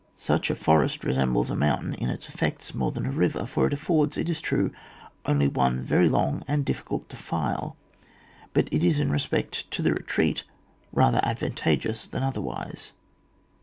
Such a forest resembles amountain in its effecta more than a river : for it affords, it is true, only one very long and diflicidt defile, but it is in respect to the retreat rather advantageous than otherwise.